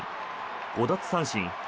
５奪三振５